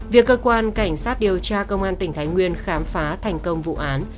việc cơ quan cảnh sát điều tra công an tỉnh thái nguyên khám phá thành công vụ án